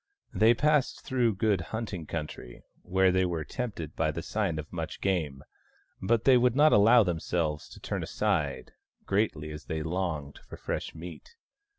They passed through good hunting country, where they were tempted by the sign of much game, but they would not allow themselves to turn aside, greatly as they longed for fresh meat.